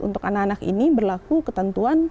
untuk anak anak ini berlaku ketentuan